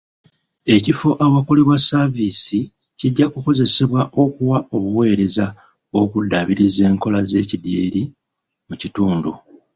Ekifo awakolebwa saaviisi kijja kukozesebwa okuwa obuweereza bw'okuddaabiriza enkola z'ekidyeri mu kitundu.